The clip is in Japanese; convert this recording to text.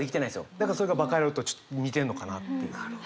だからそれが「馬鹿野郎！」とちょっと似てるのかなっていう。